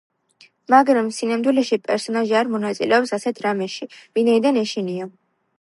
მაგრამ სინამდვილეში პერსონაჟი არ მონაწილეობს ასეთ რამეში, ვინაიდან ეშინია.